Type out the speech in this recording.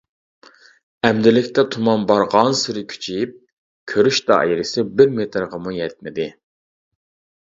ئەمدىلىكتە تۇمان بارغانسېرى كۈچىيىپ كۆرۈش دائىرىسى بىر مېتىرغىمۇ يەتمىدى.